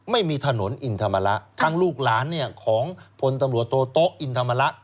ไม่มีถนนอินธรรมระทั้งลูกหลานเนี่ยของพลตำรวจโตโต๊ะอินธรรมระ